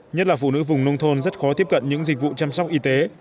nhất là phụ nữ vùng nông thôn rất khó tiếp cận những dịch vụ chăm sóc y tế